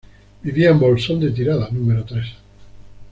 Vivía en Bolsón de Tirada número tres.